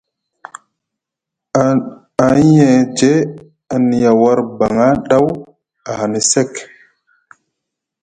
Ahiyeje a niya war baŋa ɗaw, ahani sek.